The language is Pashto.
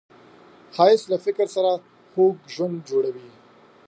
ښایست له فکر سره خوږ ژوند جوړوي